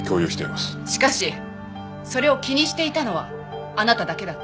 しかしそれを気にしていたのはあなただけだった。